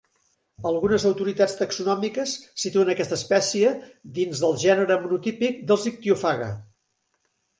Algunes autoritats taxonòmiques situen aquesta espècie dins del gènere monotípic dels Ichthyophaga.